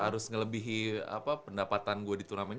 harus ngelebihi pendapatan gue di turnamen